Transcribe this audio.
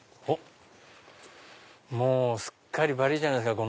もうすっかりバリじゃないですか。